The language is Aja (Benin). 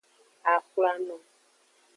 Axwlano.